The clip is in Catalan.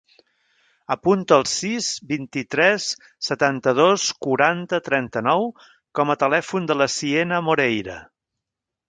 Apunta el sis, vint-i-tres, setanta-dos, quaranta, trenta-nou com a telèfon de la Siena Moreira.